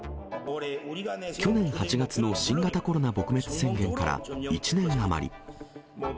去年８月の新型コロナ撲滅宣言から１年余り。